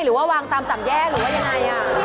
หรือว่าวางตามสามแยกหรือว่ายังไง